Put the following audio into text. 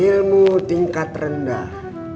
ilmu tingkat rendah